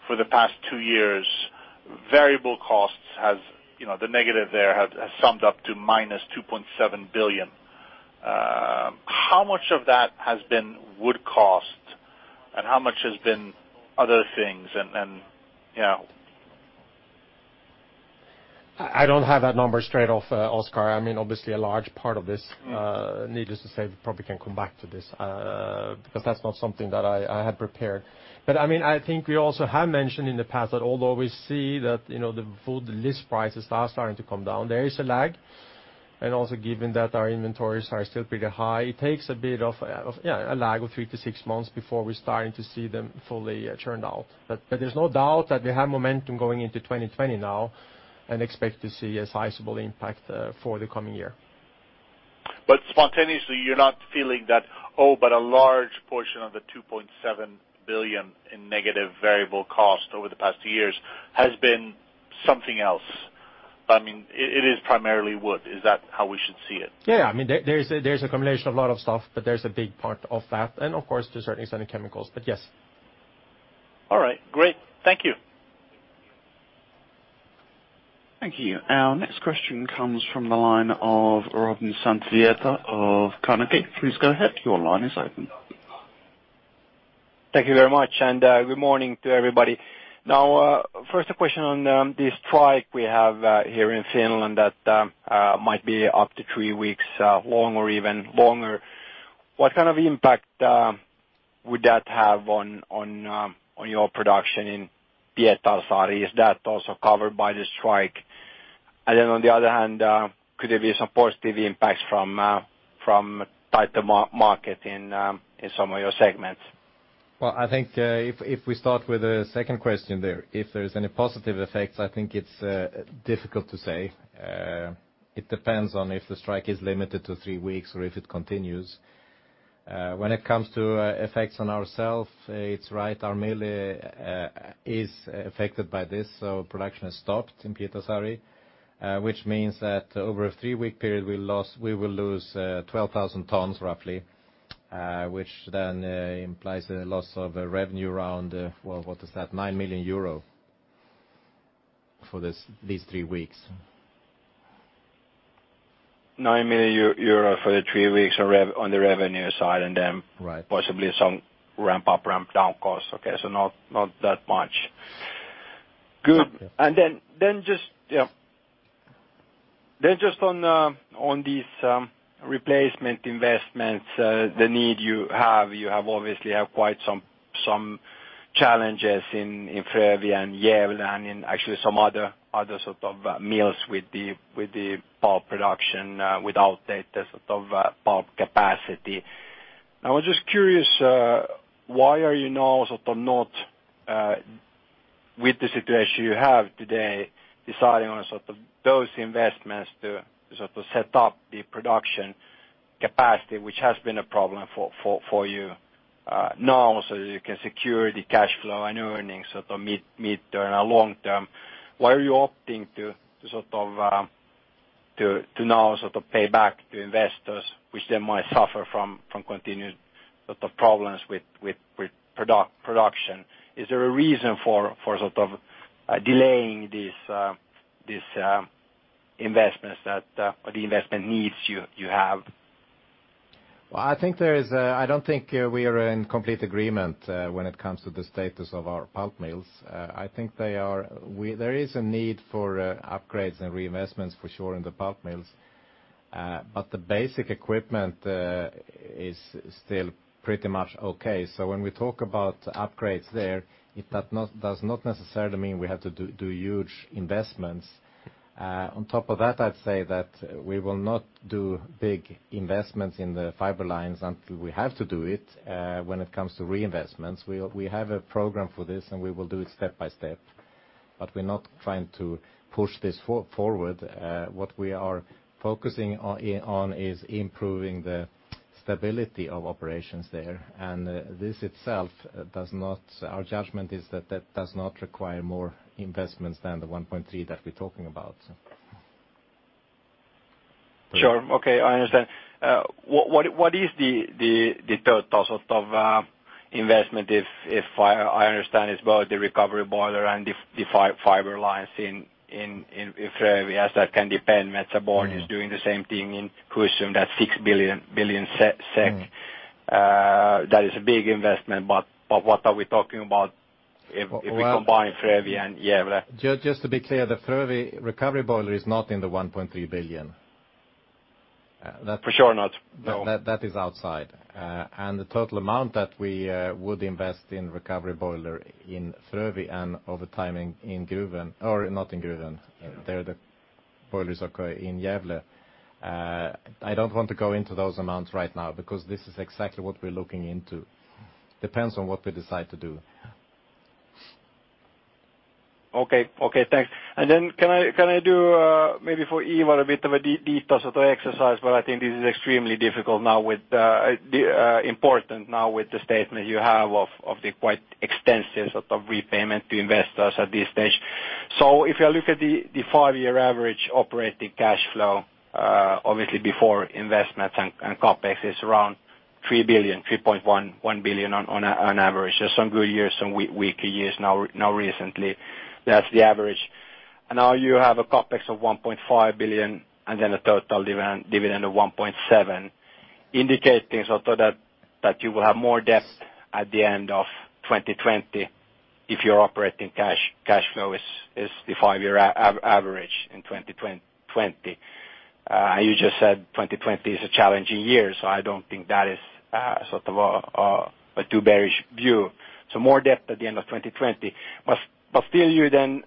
for the past two years, variable costs, the negative there has summed up to minus 2.7 billion. How much of that has been wood cost and how much has been other things? I don't have that number straight off, Oskar. Obviously, a large part of this, needless to say, we probably can come back to this, because that's not something that I had prepared. I think we also have mentioned in the past that although we see that the list prices are starting to come down, there is a lag. Also given that our inventories are still pretty high, it takes a bit of a lag of 3-6 months before we're starting to see them fully churn out. There's no doubt that they have momentum going into 2020 now and expect to see a sizable impact for the coming year. Spontaneously, you're not feeling that a large portion of the 2.7 billion in negative variable cost over the past two years has been something else. It is primarily wood. Is that how we should see it? Yeah. There's a combination of a lot of stuff, but there's a big part of that. Of course, there's certainly some chemicals, but yes. All right. Great. Thank you. Thank you. Our next question comes from the line of Robin Santavirta of Carnegie. Please go ahead. Your line is open. Thank you very much. Good morning to everybody. First a question on the strike we have here in Finland that might be up to three weeks long or even longer. What kind of impact would that have on your production in Pietarsaari? Is that also covered by the strike? On the other hand, could there be some positive impacts from tighter market in some of your segments? Well, I think if we start with the second question there, if there is any positive effects, I think it is difficult to say. It depends on if the strike is limited to three weeks or if it continues. When it comes to effects on ourself, it is right, our mill is affected by this, so production has stopped in Pietarsaari, which means that over a three-week period, we will lose 12,000 tons roughly, which then implies a loss of revenue around Well, what is that? 9 million euro for these three weeks. EUR 9 million for the three weeks on the revenue side. Right Possibly some ramp up, ramp down costs. Okay, not that much. Good. Yeah. Just on these replacement investments, the need you have. You obviously have quite some challenges in Frövi and Gävle and in actually some other sort of mills with the pulp production, with outdated sort of pulp capacity. I was just curious, why are you now sort of not, with the situation you have today, deciding on sort of those investments to sort of set up the production capacity, which has been a problem for you now, so that you can secure the cash flow and earnings sort of mid-term and long-term? Why are you opting to now sort of pay back to investors, which then might suffer from continued sort of problems with production? Is there a reason for sort of delaying these investments that, or the investment needs you have? Well, I don't think we are in complete agreement when it comes to the status of our pulp mills. There is a need for upgrades and reinvestments for sure in the pulp mills. The basic equipment is still pretty much okay. When we talk about upgrades there, it does not necessarily mean we have to do huge investments. On top of that, I'd say that we will not do big investments in the fiber lines until we have to do it, when it comes to reinvestments. We have a program for this, and we will do it step by step. We're not trying to push this forward. What we are focusing on is improving the stability of operations there. This itself, Our judgment is that that does not require more investments than 1.3 billion that we're talking about. Sure. Okay, I understand. What is the total sort of investment if I understand it's both the recovery boiler and the fiber lines in Frövi, as that can depend? Metsä Board is doing the same thing in Kaskinen that six billion. That is a big investment, but what are we talking about? Well- if we combine Frövi and Gävle? Just to be clear, the Frövi recovery boiler is not in the 1.3 billion. For sure not. No. That is outside. The total amount that we would invest in recovery boiler in Frövi and over time in Gävle, or not in Gävle. There the boilers occur in Gävle. I don't want to go into those amounts right now because this is exactly what we're looking into. Depends on what we decide to do. Okay. Thanks. Can I do, maybe for Ivar, a bit of a detail sort of exercise, but I think this is extremely difficult now with the statement you have of the quite extensive sort of repayment to investors at this stage. If you look at the five-year average operating cash flow, obviously before investments and CapEx is around 3 billion, 3.1 billion on average. There's some good years, some weaker years now recently. That's the average. Now you have a CapEx of 1.5 billion and then a total dividend of 1.7 billion, indicating sort of that you will have more debt at the end of 2020 if your operating cash flow is the five-year average in 2020. You just said 2020 is a challenging year, so I don't think that is sort of a too bearish view. More debt at the end of 2020. Still you then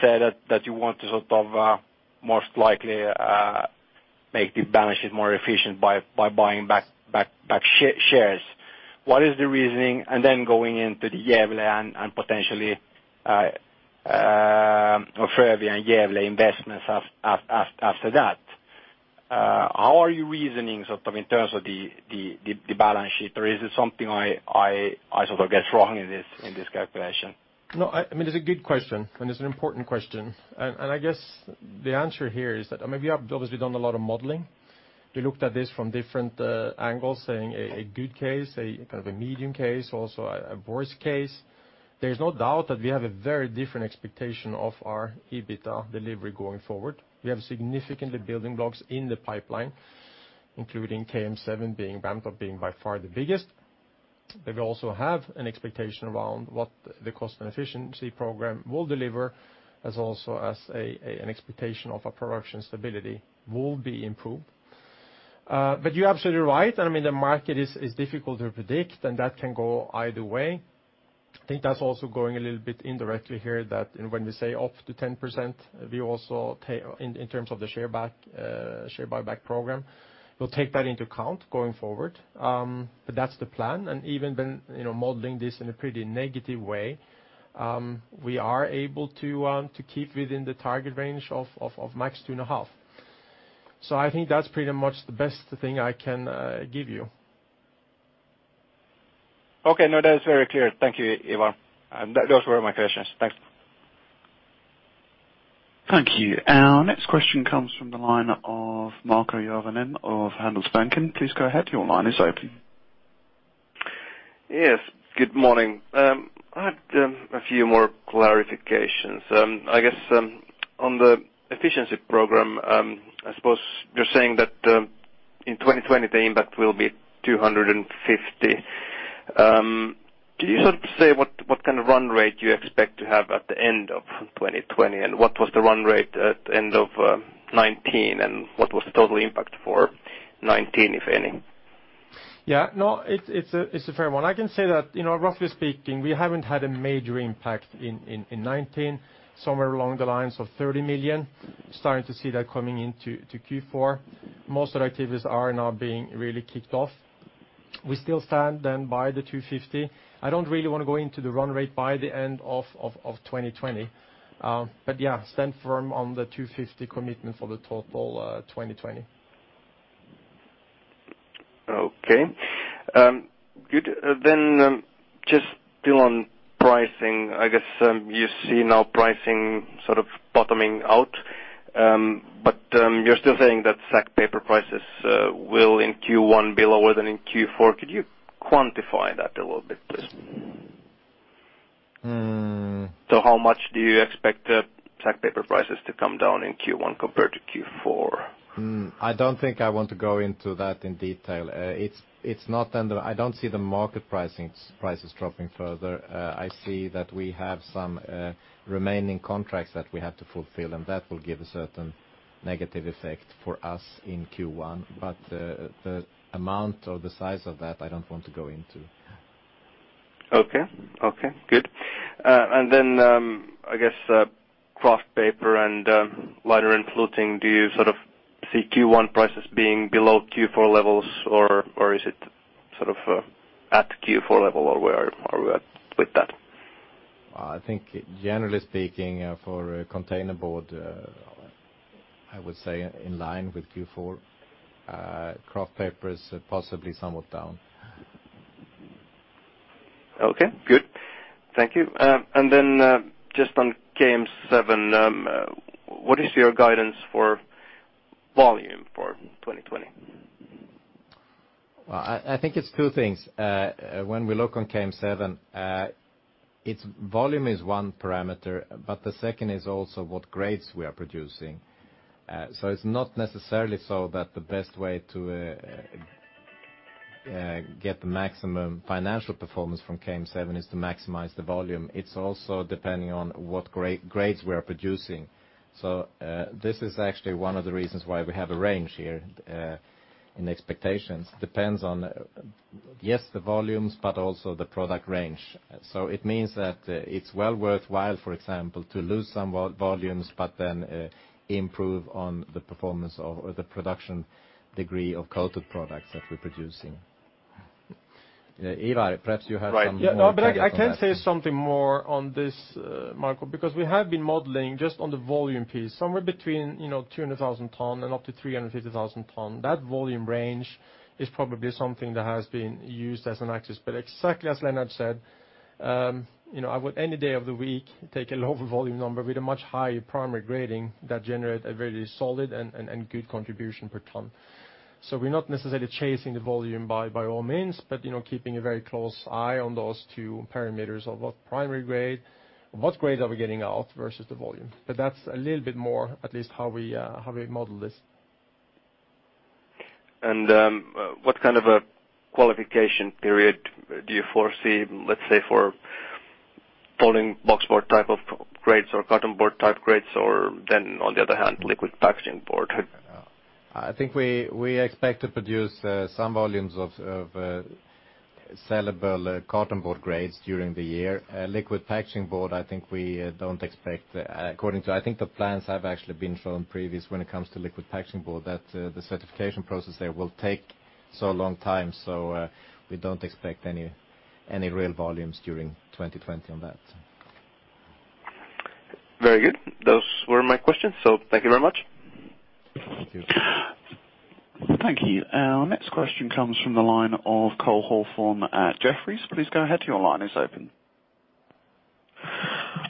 said that you want to sort of most likely make the balance sheet more efficient by buying back shares. What is the reasoning? Then going into the Gävle and potentially Frövi and Gävle investments after that. How are you reasoning sort of in terms of the balance sheet? Is it something I sort of get wrong in this calculation? No, it's a good question, and it's an important question. I guess the answer here is that, I mean, we have obviously done a lot of modeling. We looked at this from different angles, saying a good case, a kind of a medium case, also a worst case. There's no doubt that we have a very different expectation of our EBITA delivery going forward. We have significant building blocks in the pipeline, including KM7 being ramped up, being by far the biggest. We also have an expectation around what the cost and efficiency program will deliver, as also as an expectation of a production stability will be improved. You're absolutely right. I mean, the market is difficult to predict, and that can go either way. I think that's also going a little bit indirectly here that when we say up to 10%, we also, in terms of the share buyback program, we'll take that into account going forward. That's the plan. Even then, modeling this in a pretty negative way, we are able to keep within the target range of max two and a half. I think that's pretty much the best thing I can give you. Okay. No, that is very clear. Thank you, Ivar. Those were my questions. Thanks. Thank you. Our next question comes from the line of Markku Järvinen of Handelsbanken. Please go ahead. Your line is open. Yes, good morning. I had a few more clarifications. I guess, on the efficiency program, I suppose you're saying that in 2020 the impact will be 250. Do you sort of say what kind of run rate you expect to have at the end of 2020, and what was the run rate at end of 2019, and what was the total impact for 2019, if any? Yeah, no, it's a fair one. I can say that roughly speaking, we haven't had a major impact in 2019, somewhere along the lines of 30 million. Starting to see that coming into Q4. Most of the activities are now being really kicked off. We still stand then by the 250 million. I don't really want to go into the run rate by the end of 2020. Yeah, stand firm on the 250 million commitment for the total 2020. Okay. Good. Just still on pricing, I guess you see now pricing sort of bottoming out. You're still saying that sack paper prices will in Q1 be lower than in Q4. Could you quantify that a little bit, please? How much do you expect sack paper prices to come down in Q1 compared to Q4? I don't think I want to go into that in detail. I don't see the market prices dropping further. I see that we have some remaining contracts that we have to fulfill. That will give a certain negative effect for us in Q1. The amount or the size of that, I don't want to go into. Okay. Good. Then I guess kraft paper and liner and fluting, do you sort of see Q1 prices being below Q4 levels, or is it sort of at Q4 level, or where are we at with that? I think generally speaking for containerboard, I would say in line with Q4, kraft paper is possibly somewhat down. Okay, good. Thank you. Just on KM7, what is your guidance for volume for 2020? I think it's two things. When we look on KM7, volume is one parameter, but the second is also what grades we are producing. It's not necessarily so that the best way to get the maximum financial performance from KM7 is to maximize the volume. It's also depending on what grades we are producing. This is actually one of the reasons why we have a range here in expectations. Depends on, yes, the volumes, but also the product range. It means that it's well worthwhile, for example, to lose some volumes, but then improve on the performance or the production degree of coated products that we're producing. Ivar, perhaps you have some more details on that. Right. I can say something more on this, Markku, because we have been modeling just on the volume piece, somewhere between 200,000 tons and up to 350,000 tons. That volume range is probably something that has been used as an axis. Exactly as Lennart said, I would any day of the week take a lower volume number with a much higher primary grading that generate a very solid and good contribution per ton. We're not necessarily chasing the volume by all means, but keeping a very close eye on those two parameters of what primary grade, what grade are we getting out versus the volume. That's a little bit more, at least how we model this. What kind of a qualification period do you foresee, let say, for folding boxboard type of grades or cartonboard type grades, or then on the other hand, liquid packaging board? I think we expect to produce some volumes of sellable cartonboard grades during the year. Liquid packaging board, I think we don't expect, according to, I think, the plans have actually been shown previous when it comes to liquid packaging board, that the certification process there will take so long time. We don't expect any real volumes during 2020 on that. Very good. Those were my questions. Thank you very much. Thank you. Thank you. Our next question comes from the line of Cole Hathorn at Jefferies. Please go ahead. Your line is open.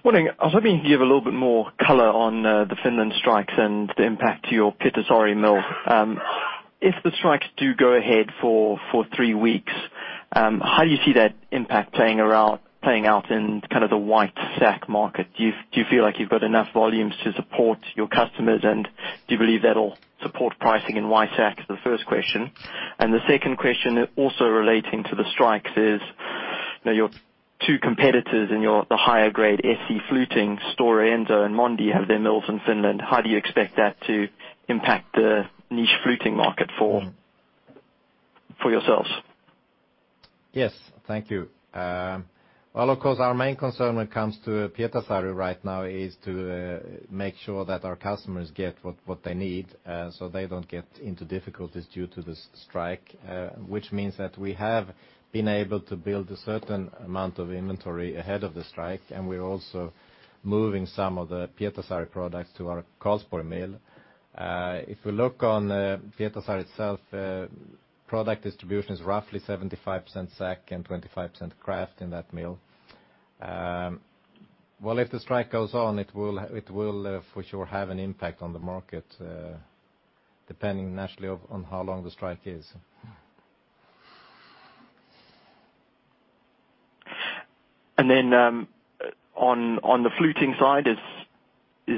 Morning. I was hoping you could give a little bit more color on the Finland strikes and the impact to your Pietarsaari mill. If the strikes do go ahead for three weeks, how do you see that impact playing out in kind of the white sack market? Do you feel like you've got enough volumes to support your customers, and do you believe that'll support pricing in white sack, is the first question. The second question, also relating to the strikes is, your two competitors in the higher grade SE fluting, Stora Enso and Mondi, have their mills in Finland. How do you expect that to impact the niche fluting market for Billerud? For yourselves. Yes. Thank you. Well, of course, our main concern when it comes to Pietarsaari right now is to make sure that our customers get what they need, so they don't get into difficulties due to the strike, which means that we have been able to build a certain amount of inventory ahead of the strike, and we're also moving some of the Pietarsaari products to our Karlsborg mill. If we look on Pietarsaari itself, product distribution is roughly 75% sack and 25% kraft in that mill. Well, if the strike goes on, it will for sure have an impact on the market, depending naturally on how long the strike is. On the fluting side, is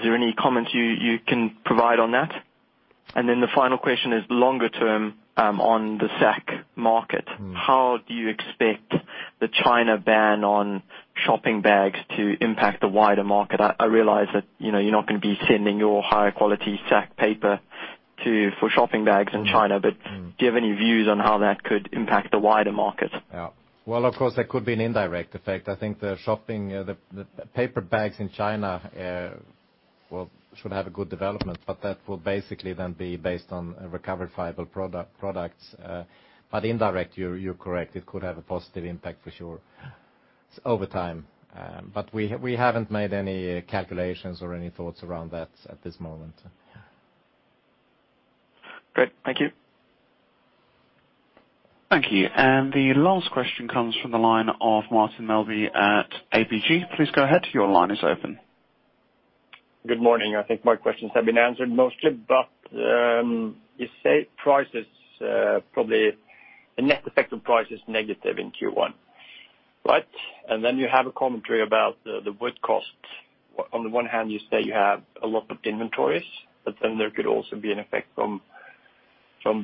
there any comment you can provide on that? The final question is longer term, on the sack market. How do you expect the China ban on shopping bags to impact the wider market? I realize that you're not going to be sending your high-quality sack paper for shopping bags in China. Do you have any views on how that could impact the wider market? Yeah. Well, of course, there could be an indirect effect. I think the paper bags in China, well, should have a good development, but that will basically then be based on recovered fiber products. Indirect, you're correct, it could have a positive impact for sure over time. We haven't made any calculations or any thoughts around that at this moment. Great. Thank you. Thank you. The last question comes from the line of Martin Melby at ABG. Please go ahead. Your line is open. Good morning. I think my questions have been answered mostly. You say the net effect of price is negative in Q1. Right? You have a commentary about the wood cost. On one hand, you say you have a lot of inventories, there could also be an effect from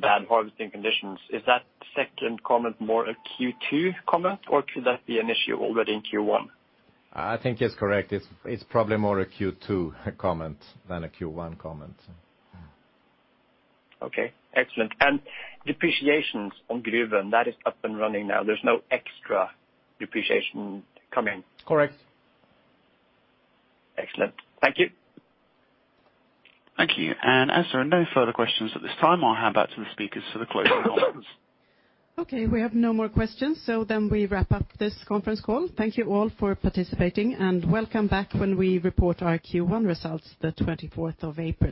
bad harvesting conditions. Is that second comment more a Q2 comment, or could that be an issue already in Q1? I think it's correct. It's probably more a Q2 comment than a Q1 comment. Okay. Excellent. Depreciations on Gruvön, that is up and running now. There's no extra depreciation coming? Correct. Excellent. Thank you. Thank you. As there are no further questions at this time, I'll hand back to the speakers for the closing comments. Okay, we have no more questions, so then we wrap up this conference call. Thank you all for participating, and welcome back when we report our Q1 results, the 24th of April.